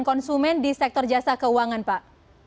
konsumen di sektor jasa keuangan pak